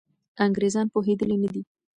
انګریزان پوهېدلي نه دي.